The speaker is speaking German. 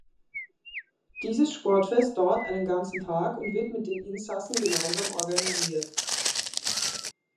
Dieses Sportfest dauert einen ganzen Tag und wird mit den Insassen gemeinsam organisiert.